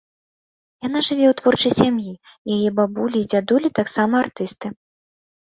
Яна жыве ў творчай сям'і, яе бабулі і дзядулі таксама артысты.